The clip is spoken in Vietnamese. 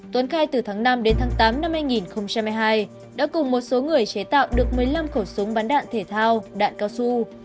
tuấn khai từ tháng năm đến tháng tám năm hai nghìn hai mươi hai đã cùng một số người chế tạo được một mươi năm khẩu súng bắn đạn thể thao đạn cao su